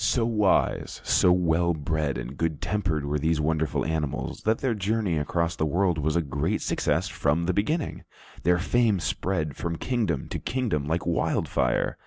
So wise, so well bred and good tempered were these wonderful animals, that their journey across the world was a great success from the beginning. Their fame spread from kingdom to kingdom like wild fire.